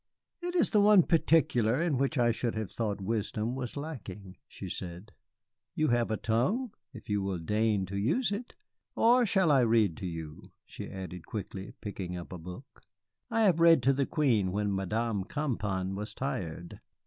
"It is the one particular in which I should have thought wisdom was lacking," she said. "You have a tongue, if you will deign to use it. Or shall I read to you?" she added quickly, picking up a book. "I have read to the Queen, when Madame Campan was tired.